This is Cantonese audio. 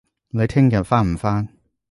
你聽日返唔返